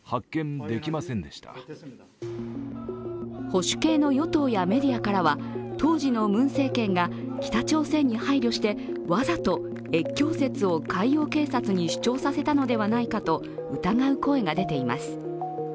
保守系の与党やメディアからは当時のムン政権が北朝鮮に配慮してわざと越境説を海洋警察に主張させたのではないかと疑う声が出ています。